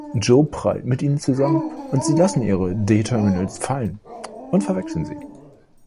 Joe prallt mit ihnen zusammen und sie lassen ihre D-Terminals fallen und verwechseln sie.